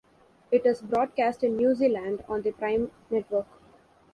It is broadcast in New Zealand on the Prime network.